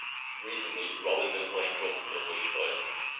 Recently Rob has been playing drums for The Bleach Boys.